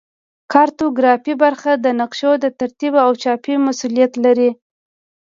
کارتوګرافي برخه د نقشو د ترتیب او چاپ مسوولیت لري